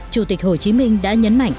chủ tịch hồ chí minh đã nhấn mạnh